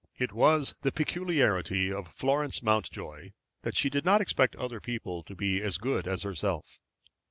It was the peculiarity of Florence Mountjoy that she did not expect other people to be as good as herself.